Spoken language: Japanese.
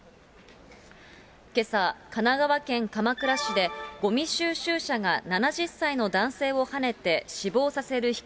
けさ、神奈川県鎌倉市でごみ収集車が７０歳の男性をはねて死亡させる